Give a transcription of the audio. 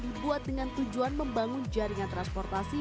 dibuat dengan tujuan membangun jaringan transportasi